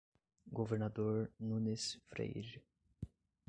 Governador Nunes Freire